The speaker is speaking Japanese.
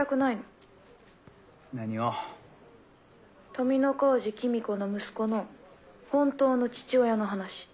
富小路公子の息子の本当の父親の話。